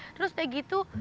terus udah gitu